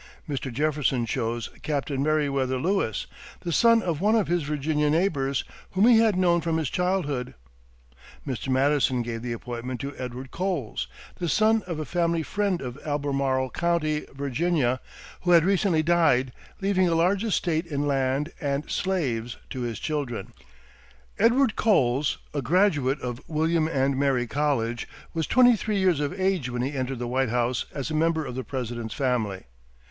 Mr. Jefferson chose Captain Meriwether Lewis, the son of one of his Virginia neighbors, whom he had known from his childhood. Mr. Madison gave the appointment to Edward Coles, the son of a family friend of Albermarle County, Va., who had recently died, leaving a large estate in land and slaves to his children. Edward Coles, a graduate of William and Mary college, was twenty three years of age when he entered the White House as a member of the President's family.